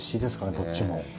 どっちも。